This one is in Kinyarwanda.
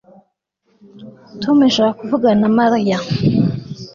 Tom yashakaga kuvugana na Mariya AlanFUS